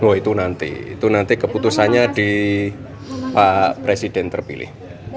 oh itu nanti itu nanti keputusannya di pak presiden terpilih